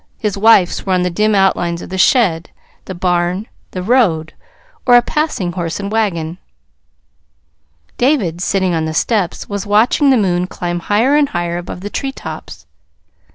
His wife's were on the dim outlines of the shed, the barn, the road, or a passing horse and wagon. David, sitting on the steps, was watching the moon climb higher and higher above the tree tops.